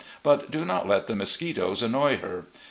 But do not let the mosquitoes annoy her.